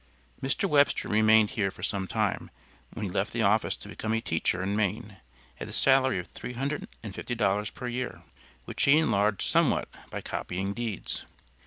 Mr. Webster remained here for some time when he left the office to become a teacher in Maine at a salary of $350 per year, which he enlarged somewhat by copying deeds.